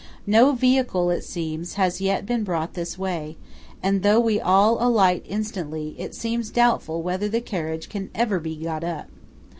No vehicle, it seems, has yet been brought this way, and though we all alight instantly, it seems doubtful whether the carriage can ever be got up.